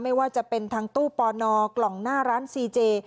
ไม่ว่าจะเป็นทางตู้ปอนอกล่องหน้าร้านซีเจ